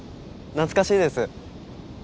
懐かしいです。